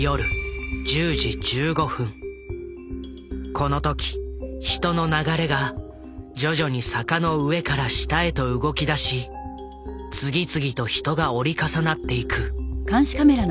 この時人の流れが徐々に坂の上から下へと動きだし次々と人が折り重なっていく。